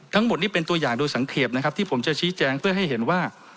ทั้งหมดนี้เป็นตัวอย่างโดยสังเกตนะครับที่ผมจะชี้แจงเพื่อให้เห็นว่า